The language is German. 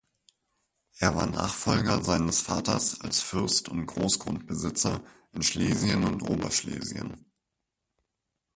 Er war Nachfolger seines Vaters als Fürst und Großgrundbesitzer in Schlesien und Oberschlesien.